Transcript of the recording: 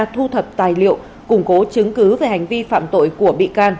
thu thập tài liệu củng cố chứng cứ về hành vi phạm tội của bị can